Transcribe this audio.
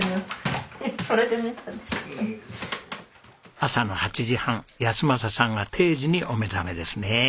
朝の８時半安正さんが定時にお目覚めですね。